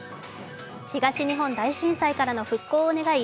東日本大震災からの復興を願い